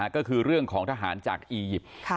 ก็คือเรื่องของทหารจากอียิปต์